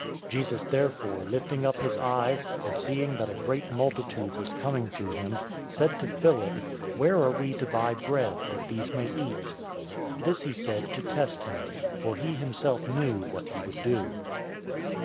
006:005 Jesus therefore lifting up his eyes, and seeing that a great multitude was coming to him, said to Philip, "Where are we to buy bread, that these may eat?" 006:006 This he said to test him, for he himself knew what he would do.